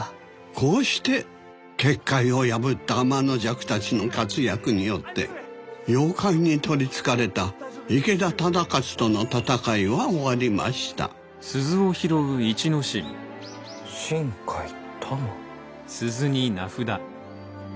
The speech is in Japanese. こうして結界を破った天の邪鬼たちの活躍によって妖怪にとりつかれた池田忠勝との戦いは終わりましたシンカイタマ？